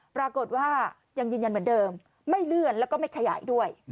ปรากฏว่ายังยืนยันเหมือนเดิมไม่เลื่อนแล้วก็ไม่ขยายด้วย